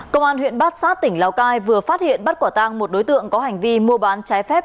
công an huyện bát sát tỉnh lào cai vừa phát hiện bắt quả tang một đối tượng có hành vi mua bán trái phép